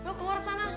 lo ke luar sana